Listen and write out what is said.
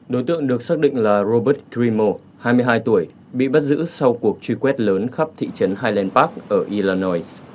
đối tượng được xác định là robert grimo hai mươi hai tuổi bị bắt giữ sau cuộc truy quét lớn khắp thị trấn highland park ở illinois